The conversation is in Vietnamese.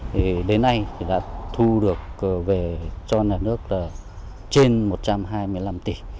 thì đến nay thì đã thu được về cho nhà nước là trên một trăm hai mươi năm tỷ